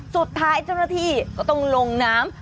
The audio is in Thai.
สุดท้ายเช่นนาทีก็ต้องลงน้ำ